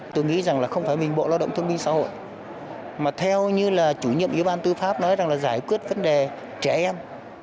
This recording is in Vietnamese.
tôi nghĩ rằng là không phải mình bộ lao động thương minh xã hội mà theo như là chủ nhiệm yếu ban tư pháp nói rằng là giải quyết vấn đề trẻ em